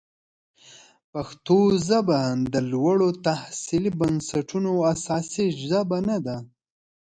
پښتو ژبه د لوړو تحصیلي بنسټونو اساسي ژبه نه ده.